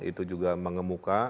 itu juga mengemuka